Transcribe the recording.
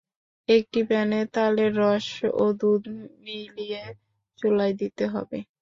একটি প্যানে তালের রস ও দুধ মিশিয়ে চুলায় দিতে হবে।